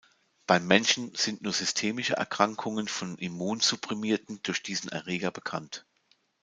Beim Menschen sind nur systemische Erkrankungen von Immunsupprimierten durch diesen Erreger bekannt.